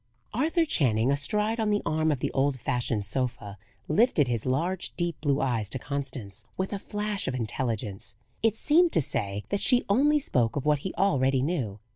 Arthur Channing astride on the arm of the old fashioned sofa lifted his large deep blue eyes to Constance with a flash of intelligence: it seemed to say, that she only spoke of what he already knew.